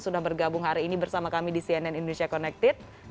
sudah bergabung hari ini bersama kami di cnn indonesia connected